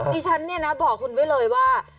ดิฉันเนี่ยนะบอกคุณไว้เลยว่า